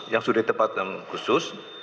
yang sudah di tempatkan khusus